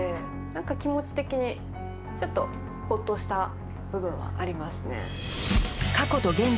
気持ち的にちょっとほっとした部分はありますね。